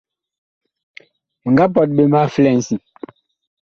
Mi nga pɔt ɓe ma flɛŋsi.